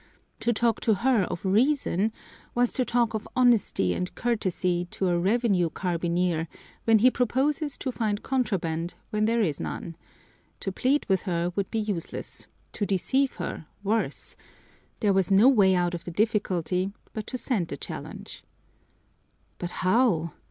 To talk to her of reason was to talk of honesty and courtesy to a revenue carbineer when he proposes to find contraband where there is none, to plead with her would be useless, to deceive her worse there was no way out of the difficulty but to send the challenge. "But how?